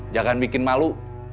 jangan bikin malu